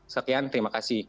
sekian terima kasih